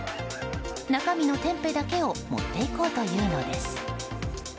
中身のテンペだけを持っていこうというのです。